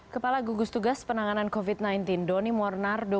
kepala gugus tugas penanganan covid sembilan belas doni mornardo